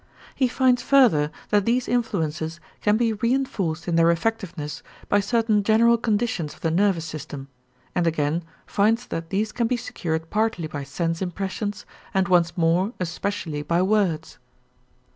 He finds further that these influences can be reënforced in their effectiveness by certain general conditions of the nervous system and again finds that these can be secured partly by sense impressions, and once more especially by words.